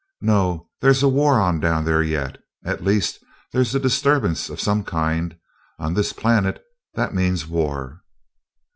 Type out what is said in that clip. No, there's a war on down there yet at least, there's a disturbance of some kind, and on this planet that means war."